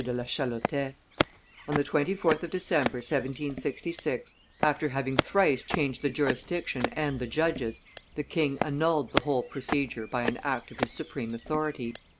de la Chalotais. On the 24th of December, 1766, after having thrice changed the jurisdiction and the judges, the king annulled the whole procedure by an act of his supreme authority.